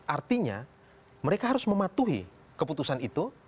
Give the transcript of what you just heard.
artinya mereka harus mematuhi keputusan itu